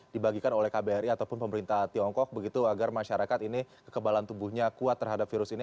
dibagikan oleh kbri ataupun pemerintah tiongkok begitu agar masyarakat ini kekebalan tubuhnya kuat terhadap virus ini